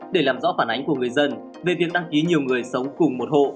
để làm rõ phản ánh của người dân về việc đăng ký nhiều người sống cùng một hộ